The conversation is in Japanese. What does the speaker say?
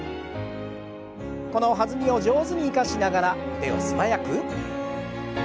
この弾みを上手に生かしながら腕を素早く。